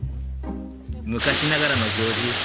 昔ながらの行事